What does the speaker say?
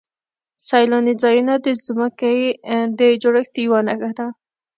سیلاني ځایونه د ځمکې د جوړښت یوه نښه ده.